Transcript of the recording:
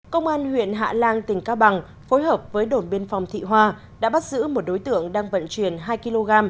công an huyện hạ lan tỉnh cao bằng phối hợp với đồn biên phòng thị hoa đã bắt giữ một đối tượng đang vận chuyển hai kg